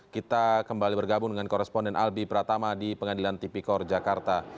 kita kembali bergabung dengan koresponden albi pratama di pengadilan tipikor jakarta